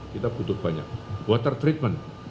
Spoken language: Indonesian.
kita butuh banyak water treatment